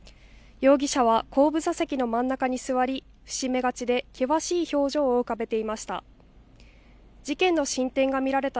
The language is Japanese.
容疑者は後部座席の真ん中に座り伏し目がちで険しい表情を浮かべていました。